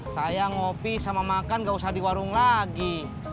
saya ngopi sama makan gak usah di warung lagi